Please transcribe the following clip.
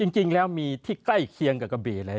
จริงแล้วมีที่ใกล้เคียงกับกะบี่เลย